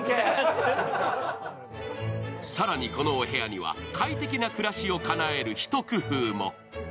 更にこのお部屋には快適な暮らしをかなえるひと工夫も。